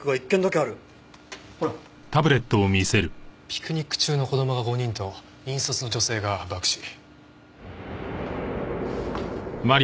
「ピクニック中の子供が５人と引率の女性が爆死」。